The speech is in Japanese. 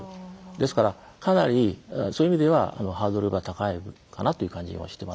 ですからかなりそういう意味ではハードルが高いかなという感じもしていますし。